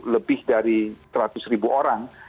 lebih dari seratus ribu orang